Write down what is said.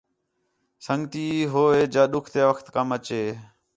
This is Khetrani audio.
سَنڳتی ہو ہے جا ݙُکھ تے وقت کَم اَچے